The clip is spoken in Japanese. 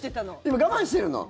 今、我慢してるの？